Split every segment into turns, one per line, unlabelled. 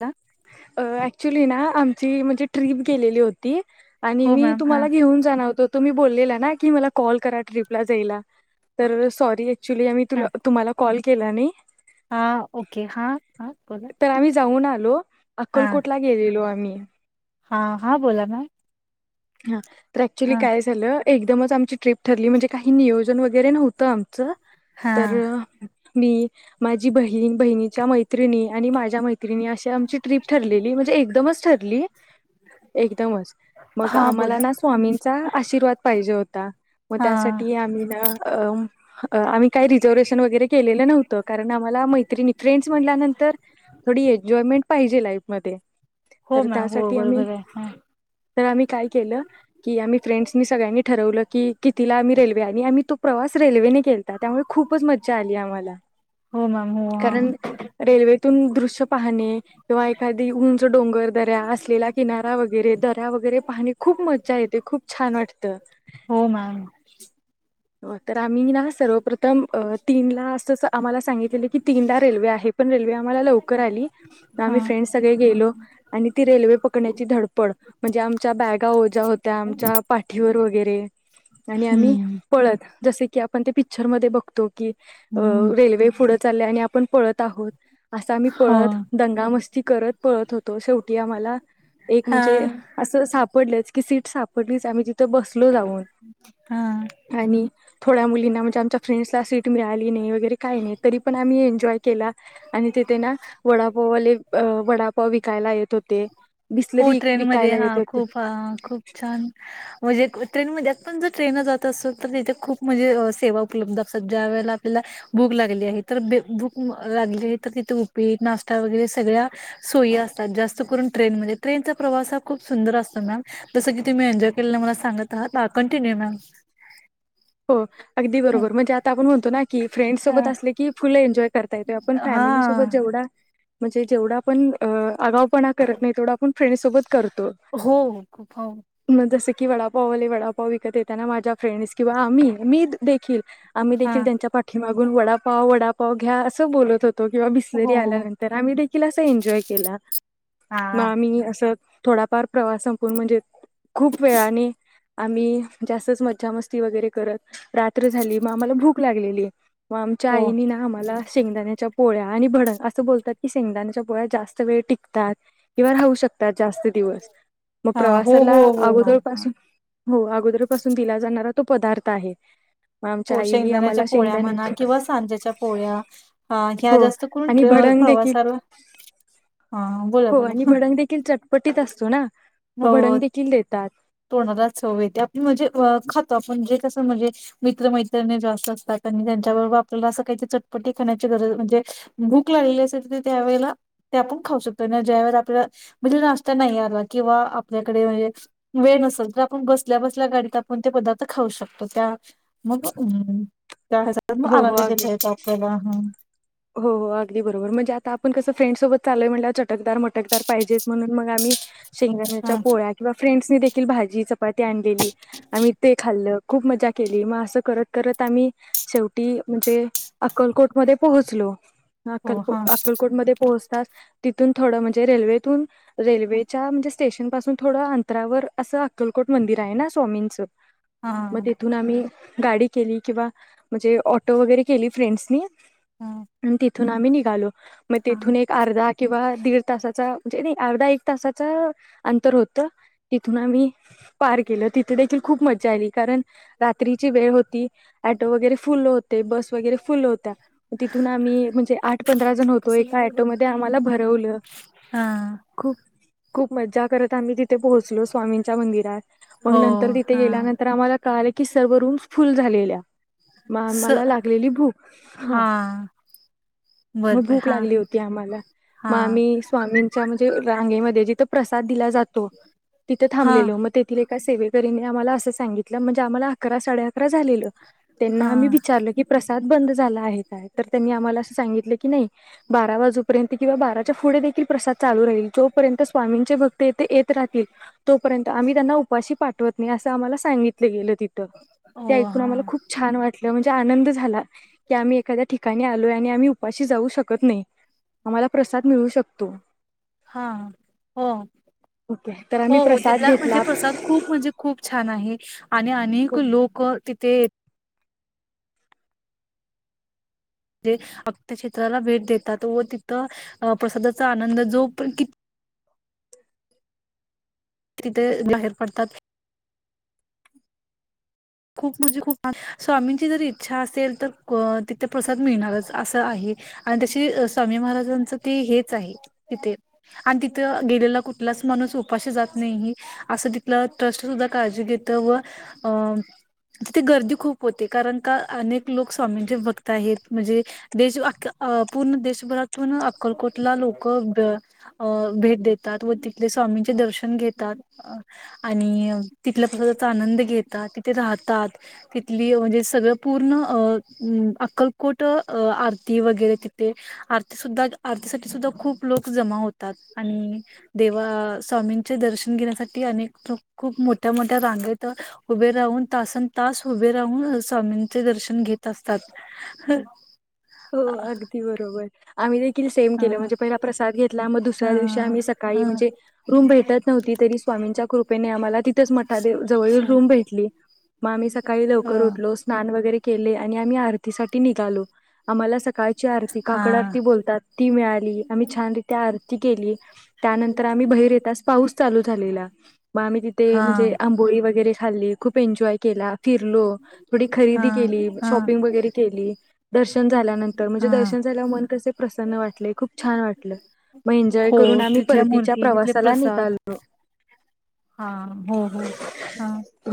ह
ऍक्च्युली ना आमची म्हणजे ट्र्रीप गेलेली होती आणि
हो
मी
मॅम हां
तुम्हाला घेऊन जाणवतो तुम्ही बोललेला ना की मला कॉल करा ट्रीपला जायला तर सॉरी ऍक्च्युली आम्ही तु तुम्हाला कॉल केलाने
हा ओके हा, हा बोला.
तर आम्ही जाऊन आलो अक्कलकोटला गेले. गेलो आम्ही.
हा, हा बोला मॅमं.
हा! त ऍक्च्युअली काय झालं. एकदमच आमची ट्रिप ठरली म्हणजे काही नियो वैगरे नव्हतं आमंच. तर
हां
मी माझी बहीण, बहिणीच्या मैत्रिणी, आणि माझ्या मैत्रिणी, अशी आमची ट्रीप ठरलेली म्हणजे एकदमच ठरली एकदमच. मग
हां
आम्हाला
बोला
ना स्वामींचा आशीर्वाद, पाहिजे होता मग
हां
त्यासाठी आम्ही ना अ आम्ही काही रिझर्वेशन वगैरे केलेलं नव्हतं, कारण आम्हाला मैत्रिणी फ्रेंडस म्हणल्यानंतर थोडी एन्जॉयमेंट पाहिजे लाईफमध्ये,
हो
तर
मॅम हो
त्यासाठी आम्ही
बरोबर आहे हां
तर आम्ही काय केलं की आम्ही फ्रेंड्सनी सगळ्यांनी ठरवलं की, की तिला आम्ही रेल्वे आणि आम्ही तो प्रवास रेल्वेने केलता, त्यामुळे खूप खूपच मज्जा आली, आम्हाला.
हो मॅम हो हा
तुम दृश्य पाहने किंवा एखादी उंच डोंगर, दऱ्या असलेला किनारा, वगैरे दर वैगेरे पाहने खूप मजा येते, खूप छान छान वाटतं.
हो मॅम.
तर आम्ही ना सर्वप्रथम अ तीनला असस आम्हाला सांगितलेलं की तीनला रेल्वे आहे, पण रेल्वे आम्हाला लवकर आली, आम्ही
हां
फ्रेंड सगळे गेलो आणि ती रेल्वे पकडण्याची धडपड म्हणजे आमच्या बॅगा ओझ्या होत्या आमच्या पाठीवर वगैरे, आणि आम्ही
हम्म
पळत जसे की आपण ते पिक्चरमध्ये बघतो. की
हम्म
रेल्वे पुढ चालले आणि आपण पळत आहोत, असा आम्ही
हो
पळत दंगा मस्ती करत पळत होतो, शेवटी आम्हाला एक
हां
म्हणजे सापडलच की, सीट सापडलीच आमी तिथं बस लो जाऊन
हां
आणि थोड्या मुलींना म्हणजे आमच्या फ्रेंड्सला सीट मिळाली नाही वगैरे काही नाही, तरी पण आम्ही एन्जॉय केला, आणि तिथे ना वडापाववाले वडापाव विकायला येत होते.
हो
बिसलेरी
ट्रेनमध्ये
विकायला
हा
येत होते
खूप हा. खूप छान. म्हणजे ट्रेनमध्ये पण जर ट्रेनला जात असेल तर तिथे खूप म्हणजे सेवा उपलब्ध असतात. ज्या वेळेला आपल्याला भूक लागली आहे, तर भूक लागली आहे तर तिथे उपीट, नाश्ता वगैरे सगळ्या सोयी असतात. जास्त करून ट्रेनमध्ये. ट्रेनचा प्रवास हा खूप सुंदर असतो मॅम. जसं की तुम्ही एन्जॉय केलेला मला सांगत आहा. Continue ma'am.
हो अगदी बरोबर. म्हणजे आता आपण म्हणतो ना की, फ्रेंडसोबत असले की फुल एन्जॉय करता येतो. आपण
हा
फॅमिलीसोबत जेवढा म्हणजे जेवढा आपण आगाऊपणा करत नाही तेवढा आपण फ्रेडसोबत करतो,
हो हो खूप हो
म जसं की की वडापाववाले वडापाव विकत येताना माझ्या फ्रेंडस किंवा आम्ही, मी देखील आम्ही
हा
देखील त्यांच्या पाठीमाग गुनं वडापाव, वडापाव घ्या असं बोलत होत किंवा बिसलेरी
हो
आल्यानंतर आम्ही देखील असं एन्जॉय केला.
हा
मग आम्ही असं, थोडाफार प्रवास संपून म्हणजे खूप वेळाने, आम्ही, जास्तच मज्जा मस्त ती वगैरे करत. रात्र झाली. मग आम्हाला भूक लागलेली [unintelligible] मग आमच्या
हो
आईनी ना आम्हाला शेंगदाण्याच्या पोळ्या आणि भंडग. असं बोलतात की, शेंगदाण्याच्या पोळ्या जास्त वेळ टिकतात. किंवा राहू शकतात जास्त दिवस. मग
हा हो
प्रवासाला
हो हो मॅम
अगोदर
हा.
पासून हो अगोदर पासून दिला जाणार तो पदार्थ आहे.
हो,
आम्हाला
शेगंदाण्याच्या पोळ्या म्हणा
शेंगदाण्याची
किंवा सांज्याच्या पोळ्या. ह्या
हो
जास्त करून
आणि भडंग देखील
प्रवासाला, अ
हो आणि भंडग देखील चटपटीत असतो ना. व भंडग देखील देतात.
तोडाला चव येतीया, आपण म्हणजे खातो आपण जे कसं म्हणजे मित्र मैत्रिणी जास्त असतात. आणि त्यांच्याबरोबर आपल्याला असं काहीत चटपटी खाण्याची गरज म्हणजे भूक लागलेली असते तर त्यावेेळेला ते आपण खाऊ शकतो. ज्या वेळे आपल्याला म्हणजे नाश्ता नाही आला किंवा आपल्याकडे म्हणजे वेळ नसेल तर आपण बसल्या बसल्या गाडीत आपण ते पदार्थ खाऊ शकतो. त्या मग त्या हेचा मग
हो हो
आनंद
अगदी
घेता येतो आपल्याला. हं,
हो, हो अगदी बरोबर म्हणजे आता आपण कसं फ्रेंडसोबत चालोय म्हटल्यावर चटकदार मटकदार पाहिजेच. म्हणून मग आम्ही
ह
शेंगदाण्याच्या पोळ्या किंवा फ्रेंड्सने देखील भाजी चपाती आणलेली. आम्ही ते खाल्ल खूप मज्जा केली. मग असं करत करत आम्ही शेवटी म्हणजे अक्कलकोटमध्ये पोहचलो.
हो
अक्कलकोट
हा
अक्कलकोटमध्ये पोहोचताच तिथून थोडं म्हणजे रेल्वे तून
हा
रेल्वेच्या म्हणजे स्टेशन पासून थोडं अंतरावर असं अक्कलकोट मंदिर आहे ना स्वामींचं मग
हा
तेथून आम्ही गाडी केली किंवा, म्हणजे ऑटो वगैरे केली फ्रेंडसनी
हा
[inaudible] तिथून आम्ही निघालो. मग तेथून
हा
एक अर्धा किंवा, दीड तासाचं म्हणजे अर्धा एक तसा अंतर होत, तिथून आम्ही पार केल तिथे देखील खूप मज्जा आली कारण रात्रीची वेळ होती. फुलं होते बस वगैरे फुलं होत्या. तिथून आम्ही म्हणजे आठ पंधरा जण होतो, एका ऍटोमध्ये आम्हाला भरवलं, खूप खूप मज्जा करत आम्ही तिथे पोहोचलो स्वामींच्या मंदिरात. मग
हो
नंतर तिथे
हा
गेल्यानंतर आम्हा कळाले की सर्व रूम्स फुल झालेल्या.
स
मला लागलेली भूक हा. मग
बरोबर
भूक
हा
लागली होती आम्हाला मग
हा
आम्ही स्वामींच्या रांगेमध्ये जिथं प्रसाद दिला जातो. तिथं
हा
थांबलो म तेथे सेवेकरीनी आम्हाला असं सांगितलं म्हणजे आम्हाला अकरा साडे झालेलं त्यांना
हा
आम्ही विचारलं की प्रसाद बंद झाला आहे. त्यांनी आम्हाला सांगितलं की बारा वाजूपर्यंत किंवा, बाराच्या पुढे देखील प्रसाद चालू राहील, जोपर्यंत स्वामींचे भक्त येथे येत राहतील तोपर्यंत, आम्ही त्यांना उपाशी पाठवत नाही. आम्हाला सांगितले. ते
हो
ऐकून
हा
आम्हाला खूप छान वाटल म्हणजे आनंद झाला, की आम्ही एखाद्या आलो आणि आम्ही उपाशी जाऊ शकतं नाही. आम्हाला प्रसाद मिळू शकतो.
हा हो
ओके तर
हो
आम्ही
हो
प्रसाद
तिथला म्हणजे
घेतला
प्रसाद खूप म्हणजे खूप छान आहे आणि अनेक लोक तिथे म्हणजे अन्न क्षेत्राला भेट देतात व तिथं प्रसादाचा आनंद जो पण किती? तिथे बाहेर पडतात. खूप म्हणजे खूप स्वामींची जर इच्छा असेल तर तिथे प्रसाद मिळणारच असं आहे आणि तशी खूप खूप म्हणजे खूप स्वामी महाराजांच ते हेच आहे तिथे आणि तिथं गेलेला कुठलाच माणूस उपाशी जात नाही असं तिथलं ट्रस्ट सुद्धा काळजी घेत व अ तिथे गर्दी खूप होते कारण का अनेक लोक स्वामींचे भक्त आहेत म्हणजे देश अ पूर्ण देशभरातून अक्कलकोटला लोक भेट देतात व तिथले स्वामींचे दर्शन घेतात आणि तिथल्या प्रसादाचा आनंद घेतात. राहतात तिथली म्हणजे सगळं पूर्ण अ अक्कलकोट अ आरती वगैरे तिथे आरती सुद्धा आरतीसाठी सुद्धा खूप लोक जमा होतात आणि देवा स्वामींचे दर्शन घेण्यासाठी अनेक खूप मोठ्या मोठ्या रांगेत उभे राहून तासन तास उभे राहून स्वामींचे दर्शन घेत असतात.
हो अगदी बरोबर आम्ही देखील सेम केलं,
हा
म्हणजे पहिला प्रसाद घेतला, मग दुसऱ्या दिवशी
हा
आम्ही सकाळी
हा
म्हणजे रूम भेटत नव्हती तरी स्वामींच्या कृपेने आम्हाला तिथंच मठादेव जवळील रूम भेटली. मग आम्ही सकाळी
हो
लवकर उठलो, स्नान वैगरे केले आणि आम्ही आरती साठी निघालो. आम्हाला सकाळची आरती
हा
काकड आरती बोलतात ती मिळाली. आम्ही छान रित्या आरती केली. त्यानंतर आम्ही बाहीर येताच पाऊस चालू झालेला. म आम्ही तिथे म्हणजे
हा
आंबोळी वगैरे खाल्ली खूप खूप एन्जॉय केला. फिरलो, थोडे
हा
खरेदी केली
हा
शॉपिंग वगैरे केली. दर्शन झाल्यानंतर म्हणजे
हा
दर्शन झाल्या मन कसे प्रसन्न वाटले. खूप छान वाटलं. मग एन्जॉय
हो
करून आम्ही
तिथल्या
परतीच्या
मूर्ती तिथले
प्रवासाला
प्रसाद
निघालो.
हा हो हो हा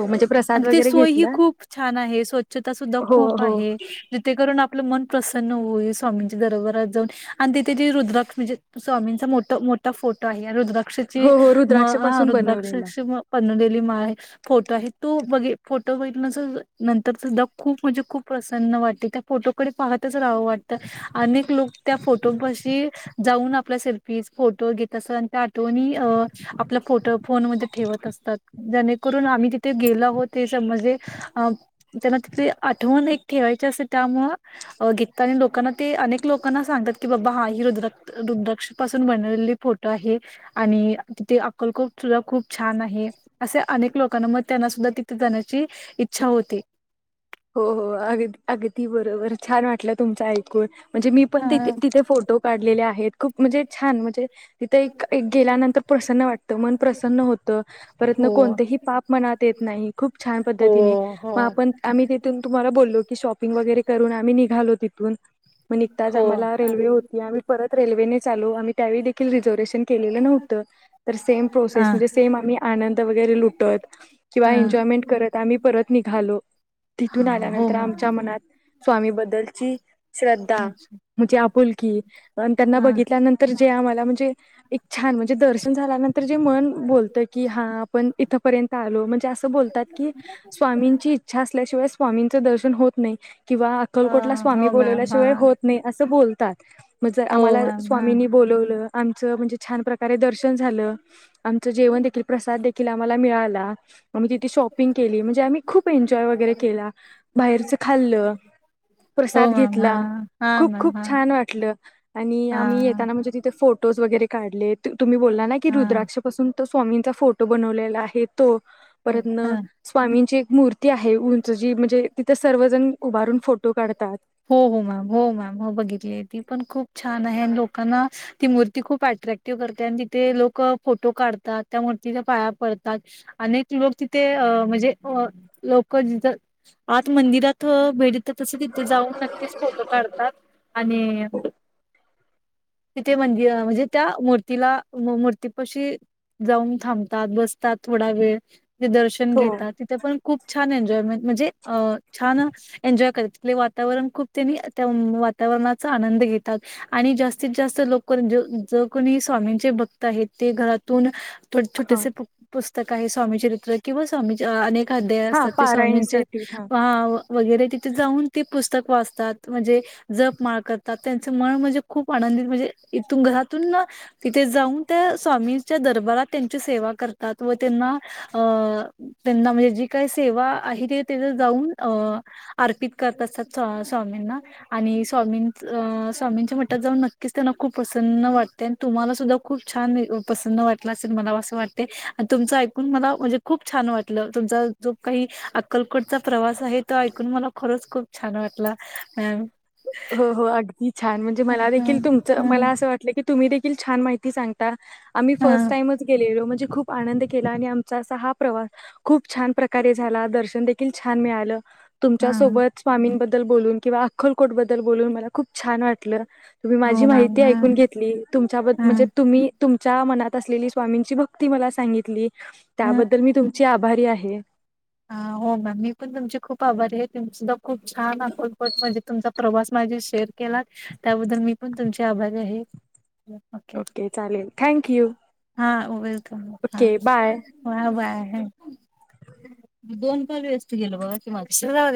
हो म्हणजे प्रसाद
आणि तिथे
वगैरे
सोय हि
घेतला
खूप छान आहे स्वच्छता सुद्धा
हो
खूप
हो
आहे जिथेकरून आपलं मन प्रसन्न होईल स्वामींच्या दरबरात जाऊन आणि तिथे जी रुद्राक म्हणजे त स्वामींचा मोठ मोठा फोटो आहे. या रुद्रा रुद्राक्षाची
हो हो रुद्राक्ष पासून बनवलेला
बनवलेली माळ आहे. फोटो आहेत. तु बघी फोटो बघल्या नंतर सुद्धा खूप म्हणजे खूप प्रसन्न वाटते. त्या फोटोकडे पाहतच रावं वाटत. अनेक लोक त्या फोटो पाशी जाऊन आपल्या सेल्फी फोटो घेत असतात. त्या कोणी अ आपला फोटो फोनमध्ये ठेवत असतात. जेणेकरून आम्ही ति ते गेल हो ते असं म्हणजे त्यांना तिथे आठवण एक ठेवायची असते त्यामुळे घेततात. आणि लोकांना ते अनेक लोकांना सांगतात. की बाबा हा ही रुद्र रुद्राक्ष पासून बनवलेली फोटो आहे. आणि तीथे अक्कलकोटला खूप छान आहे. असे अनेक लोकांना म त्यांना सुद्धा तिथे जाण्याची इच्छा होते.
हो हो आगदी आग ती बरोबर छान वाटलं तुमच ऐकून म्हणजे मी पण तिथे
हा.
तिथे फोटो काढ दिलेले आहेत. खूप म्हणजे छान म्हणजे तिथं एक एक गेल्यानंतर प्रसन्न वाटतं. मन प्रसन्न होतं. परत
हो
कोणतंही पाप मनात येत नाही. खूप छान
हो
पद्धतीने
हो
मग आपण आम्ही तिथून तुम्हाला बोललो की शॉपिंग वगैरे करून आम्ही निघालो तिथून, मग निघताच
हो
आम्हाला
हा
रेल्वे होती. आम्ही परत रेल्वेनेच आलो आम्ही. त्यावेळी देखील रिझर्वेशन केलेलं नव्हतं. तर सेम
हा
प्रोसेस म्हणजे सेम आम्ही आनंद वैगेरे लुटत किंवा
हा
एन्जॉयमेंट करत आम्ही परत निघालो. तिथून
हा. हो
आल्यानंतर
मॅम
आमच्या मनात स्वामी बद्दलची
हा
श्रद्धा म्हणजे आपुलकी अ त्यांना
हा
बघितल्यानंतर जे आम्हाला म्हणजे एक छान म्हणजे दर्शन झाल्यानंतर जे मन बोलत की हा आपण इथपर्यंत आलो म्हणजे असं बोलतात की स्वामींची इच्छा अस् व स्वामींच दर्शन होत नाही. किंवा
अ,
अक्कलकोटला स्वामी
हो मॅम
बोलवल्याशिवाय
हा
होत नाही असं बोल तात म जर
हो
आम्हाला
मॅम हा.
स्वामींनी बोलवलं आमचं म्हणजे छान प्रकारे दर्शन झाल. आमच जेवण देखील प्रसाद- देखील आम्हाला मिळाला. मग मी तिथे शॉपिंग केली, म्हणजे आम्ही खूप एनजॉय- वैगरे केला बाहेरच खाल्ल,
हो
प्रसाद
मॅम हा
घेतला,
हा
खुप
मॅम
खुप
हा
छान वाटलं, आणि आम्ही
हा
येताना म्हणजे तिथे- फोटोज वगैरे काढलेत. तुम्ही बोलला ना की
हा.
रुद्राक्षपासून. तो स्वामींचा फोटो बनवलेला आहे. तो परतन
ह
स्वामींची एक. मूर्ती. ती आहेत, उंच जी म्हणजे तिथंच- सर्वजण उभारून फोटो काढतात.
हो, हो मॅम हो मॅम, हो बघितली ती पण खूप. छान आहे
हा
आणि लोकांना, ती मूर्ती- ती खूप अट्रैक्टिव करते आणि तिथे लोक फोटो काढतात, त्या मूर्तीच्या पाया पडतात, अनेक लोक तिथे म्हणजे लोक जिथ आत मंदिरात भेटतात तस तिथे जाऊन- नक्कीच फोटो काढतात आणि तिथे मंदिरात म्हणजे त्या मूर्तीला, मूर्ती पाशी जाऊन थांबतात, बसतात थोडा वेळ. तिथे दर्शन
हो
घेतात तिथे पण खूप- छान एन्जॉयमेंट म्हणजे अ छान एन्जॉय करतात. वातावरण खूप त्यांनी त्या वातावरणाचा आनंद घेतात आणि जास्तीत जास्त लोक जो कोणी स्वामींचे भक्त आहेत ते घरातून.
हा
छोट-छोटेसे पुस्त सकाळी स्वामी चरित्र किंवा स्वामींची अनेक - अध्याय
हा
असतात ते स्वामींचे
पारायणसाठी हा
वगैरे तिथे जाऊन. ती पुस्तक वाचतात म्हणजे जप माळ कर जात, त्यांच मन म्हणजे खूप आनंदित म्हणजे इथून घरातून तिथे जाऊन त्या स्वामीच्या दरबारात त्यांची सेवा करतात, व त्यांना अ.... त्यांना म्हणजे जी काय- सेवा आहे ते तीथे जाऊन आर्पीत- करत असतात, स्वामींना आणि स्वामीं, स्वामींच्या मटात जाऊन नक्कीच त्यांना खूप प्रसन्न वाटते, आणि तुम्हाला सुद्धा खूप छान प्रसन्न वाटल असेल मला असं वाटते, आणि तुमच ऐकून मला म्हणजे खूप छान वाटलं, तुमचा जो काही अक्कलकोटचा प्रवास आहे तो ऐकून मला- खरच खूप छान वाटला. मॅम.
हो, हो अगदी छान म्हणजे-
हम्म
मला
हम्म
देखील तुमच्, मला
हम्म
असं वाटलं की तुम्ही देखील छान माहिती- सांगता आम्ही फर्स्ट
हा
टाईमच गेलेलो म्हणजे खूप आनंद केला आणि आमचा असा हा प्रवास खूप छान प्रकारे झाला, दर्शन देखील छान मिळालं. तुमच्या
हा.
सोबत स्वामींब द्दल बोलून किंवा अक्कलकोट बद्दल बोलून मला खूप छान वाटलं. तुम्ही माझी
हो मॅम
माहिती
हा
ऐकून घेतली. तुमच्या बद
हा
म्हणजे तुमच्या मनात असलेली स्वामींची भक्ती मला सांगितली त्याबद्दल मी तुमची आभारी आहे.
हं हो मॅम मी पण तुमची खूप आभारी आहे तुमची [unintelligible] खूप छान अक्कलकोट म्हणजे तुमचा प्रवास माझ्याशी शेअर केलात त्याबद्दल मी पण तुमची आभारी आहे.
ओके चालेल थँक यू
होय. हा
ओके बाय.
हा हा बाय [inaudible] दोन पण व्यस्त गेल बघा की माझं [unintelligible]